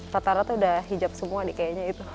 tata tata udah hijab semua nih kayaknya itu